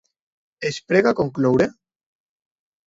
Es prega concloure?